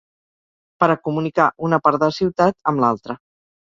Per a comunicar una part de ciutat amb l'altra.